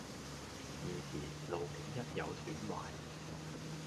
現時路面一有損壞